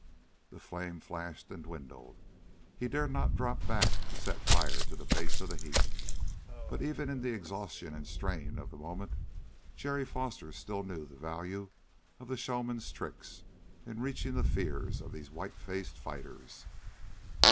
The flame flashed and dwindled. He dared not drop back to set fire to the base of the heap. But even in the exhaustion and strain of the moment Jerry Foster still knew the value of the showman's tricks in reaching the fears of these white faced fighters.